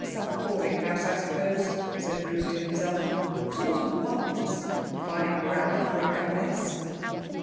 Some boarding house, I suppose,' said Bruce to himself. 'What a lot of 'ones'!... Fine grammar for a governess.'